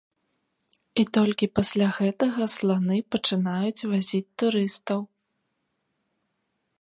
І толькі пасля гэтага сланы пачынаюць вазіць турыстаў.